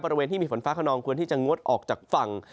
บริเวณที่มีฝนฟ้าขนองควรที่จะงดออกจากฝั่ง